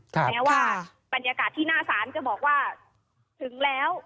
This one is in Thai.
แม้ว่าบรรยากาศที่หน้าศาลจะบอกว่าถึงแล้ว